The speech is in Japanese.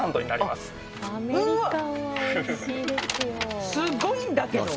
すごいんだけど。